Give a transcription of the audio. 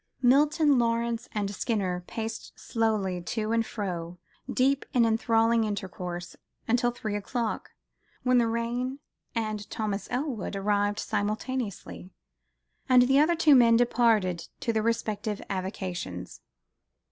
Milton, Lawrence and Skinner paced slowly to and fro, deep in enthralling intercourse, until three o'clock: when the rain and Thomas Elwood arrived simultaneously, and the other two men departed to their respective avocations.